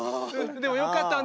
でもよかったわね